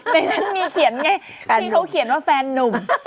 ในนั้นมีเขียนไงที่เขาเขียนว่าแฟนนุ่ม